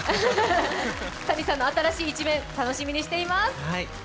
Ｔａｎｉさんの新しい一面楽しみにしています。